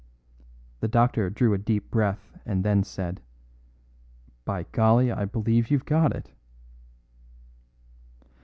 The doctor drew a deep breath and then said, "By golly, I believe you've got it."